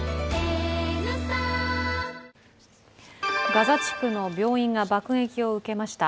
ガザ地区の病院が爆撃を受けました。